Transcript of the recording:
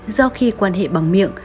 do khi quan hệ bằng miệng